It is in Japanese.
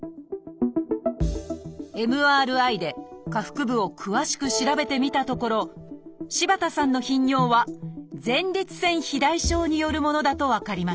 ＭＲＩで下腹部を詳しく調べてみたところ柴田さんの頻尿は「前立腺肥大症」によるものだと分かりました。